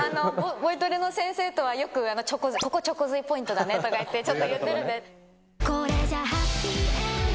ボイトレの先生と、よく、ここ、ちょこずいポイントだね！とかって、ちょっと言ってるんで。